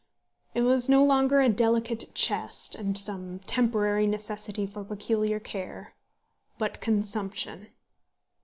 It was no longer a delicate chest, and some temporary necessity for peculiar care, but consumption!